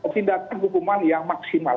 tindakan hukuman yang maksimal